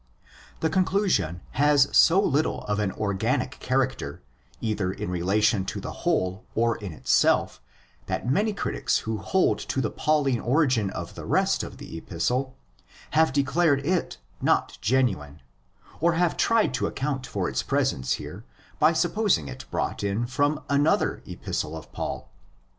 The conclusion has so little of an organic character either in relation to the whole or in itself that many critics who hold to the Pauline origin of the rest of the Epistle have declared it not genuine, or have tried to account for its presence here by supposing it brought in from another Epistle of Paul.